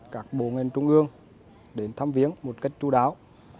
các bộ ngành trung ương đến thăm viếng một cách chú đáo